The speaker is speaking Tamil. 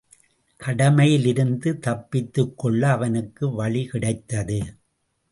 கடமையிலிருந்து தப்பித்துக் கொள்ள அவனுக்கு வழி கிடைத்தது.